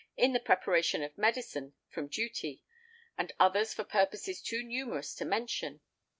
in the preparation of medicine from duty, and others for purposes too numerous to mention.